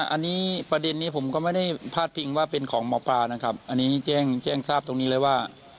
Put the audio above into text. อันนี้ประเด็นนี้ผมก็ไม่ได้พาดพิงว่าเป็นของหมอปลานะครับอันนี้แจ้งแจ้งทราบตรงนี้เลยว่า